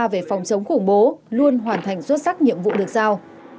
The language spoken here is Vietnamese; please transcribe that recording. về phòng chống khủng bố luôn hoàn thành xuất sắc nhiệm vụ được giao